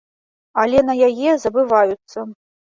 Але на яе забываюцца.